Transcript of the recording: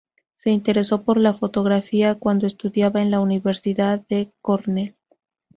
Se interesó por la fotografía cuando estudiaba en la Universidad de Cornell.